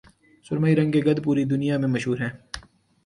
سرمئی رنگ کے گدھ پوری دنیا میں مشہور ہیں